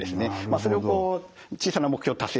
それを小さな目標達成